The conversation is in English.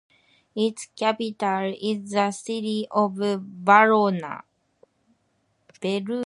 Its capital is the city of Verona.